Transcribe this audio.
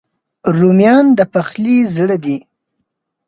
رومیان د پخلي زړه دي